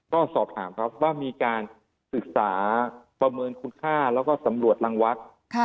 ก็สอบถามครับว่ามีการศึกษาประเมินคุณค่าแล้วก็สำรวจรังวัด